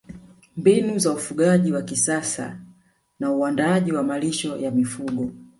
Mbinu za ufugaji wa kisasa na uandaaji wa malisho ya mifugo